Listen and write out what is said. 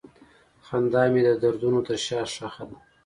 خندا مې د دردونو تر شا ښخ ده.